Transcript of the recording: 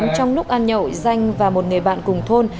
trong lúc ăn nhậu danh và một người bạn cùng thôn